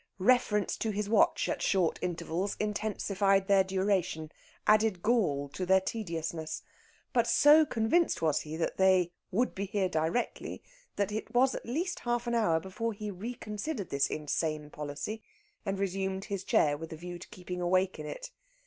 Reference to his watch at short intervals intensified their duration, added gall to their tediousness. But so convinced was he that they "would be here directly" that it was at least half an hour before he reconsidered this insane policy and resumed his chair with a view to keeping awake in it.